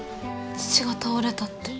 父が倒れたって。